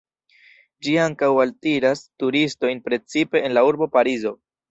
Ĝi ankaŭ altiras turistojn, precipe en la urbo Parizo.